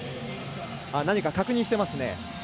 何か確認していますね。